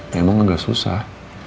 memang agak susah